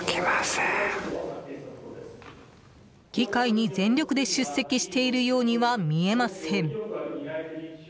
議会に全力で出席しているようには見えません。